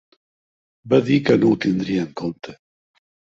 Va dir que ho tindria en compte.